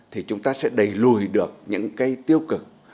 thì chúng ta sẽ đẩy lùi được những cái tiêu cực